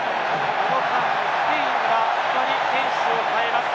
この間にスペインは２人、選手を代えます。